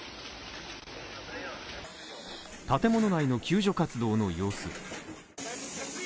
建物内の救助活動の様子。